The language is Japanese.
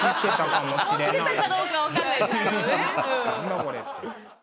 思ってたかどうか分かんないですけどね。